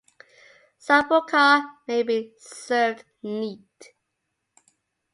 Sambuca may be served neat.